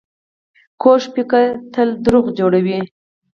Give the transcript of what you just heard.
کوږ فکر تل دروغ جوړوي